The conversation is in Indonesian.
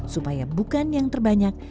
supaya bukan yang terbanyak